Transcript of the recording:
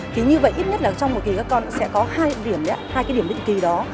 thì như vậy ít nhất là trong một kỳ các con sẽ có hai điểm định kỳ đó